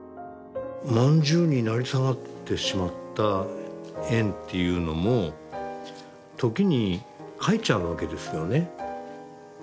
饅頭に成り下がってしまった円っていうのも時に描いちゃうわけですよね。